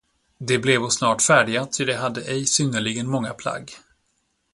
De blevo snart färdiga, ty de hade ej synnerligen många plagg.